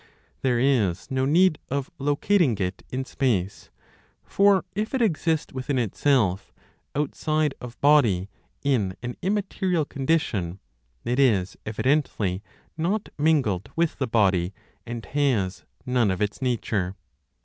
There is no need of locating it in space; for, if it exist within itself, outside of body, in an immaterial condition, it is evidently not mingled with the body, and has none of its nature.